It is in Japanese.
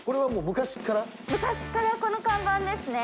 昔からこの看板ですね。